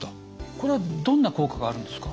これはどんな効果があるんですか？